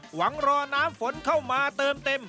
หวังรอน้ำฝนเข้ามาเติมเต็ม